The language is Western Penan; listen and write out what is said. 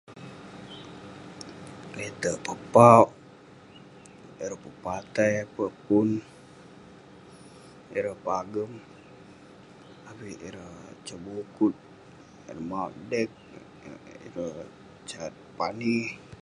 le'terk pepauk, ireh pepatai peh pun, ireh pagem avik ireh sebukut, ireh mauk dek, ireh sat pani